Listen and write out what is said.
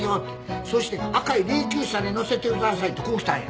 「そして赤い霊きゅう車に乗せてください」ってこうきたんや。